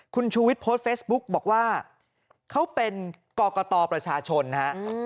คุณชูวิทย์โพสต์เฟซบุ๊กบอกว่าเขาเป็นกรกตประชาชนนะฮะ